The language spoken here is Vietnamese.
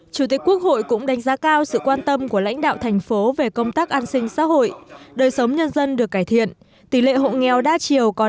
chủ tịch quốc hội cũng đánh giá cao sự quan tâm của lãnh đạo thành phố về công tác an sinh xã hội đời sống nhân dân được cải thiện tỷ lệ hộ nghèo đa chiều còn